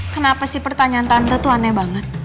kenapa sih pertanyaan tante tuh aneh banget